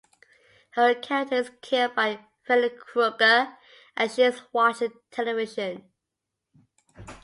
Her character is killed by Freddy Krueger as she is watching television.